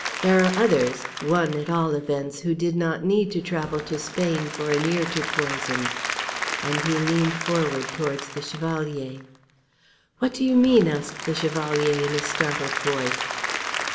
There are others, one, at all events, who did not need to travel to Spain for an ear to poison;" and he leaned forward towards the Chevalier. "What do you mean?" asked the Chevalier, in a startled voice.